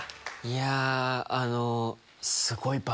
いやあの。